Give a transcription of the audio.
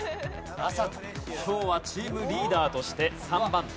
今日はチームリーダーとして３番手。